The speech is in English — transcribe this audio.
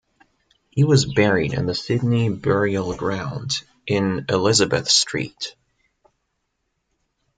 He was buried in the Sydney Burial Ground in Elizabeth Street.